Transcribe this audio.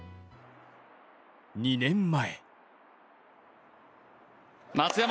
２年前。